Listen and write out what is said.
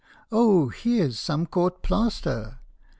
Oh, here 's some court plaster."